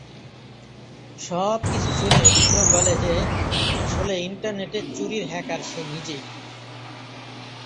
সব কিছু শুনে বিক্রম বলে যে, আসলে ইন্টারনেটে চুরির হ্যাকার সে নিজেই।